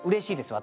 私